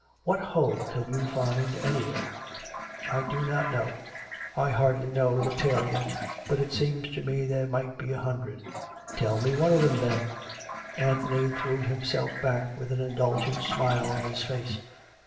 What hole can you find anywhere ?"" I do not know. I hardly know the tale yet. But it seems to me there might be a hundred." " Tell me one of them, then." Anthony threw himself back with an indulgent smile on his face.